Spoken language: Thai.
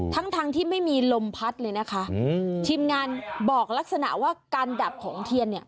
ทั้งทั้งที่ไม่มีลมพัดเลยนะคะอืมทีมงานบอกลักษณะว่าการดับของเทียนเนี่ย